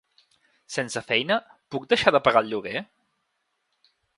Sense feina, puc deixar de pagar el lloguer?